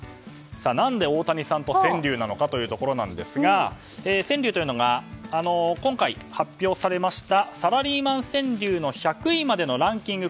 何で大谷さんと川柳なのかというところですが川柳というのは今回、発表されましたサラリーマン川柳の１００位までのランキング